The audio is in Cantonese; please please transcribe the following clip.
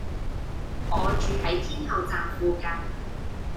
我住喺天后站附近